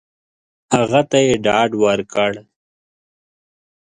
هغه ته یې ډاډ ورکړ !